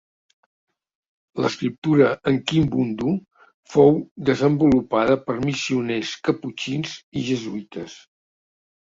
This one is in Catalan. L'escriptura en kimbundu fou desenvolupada per missioners caputxins i jesuïtes.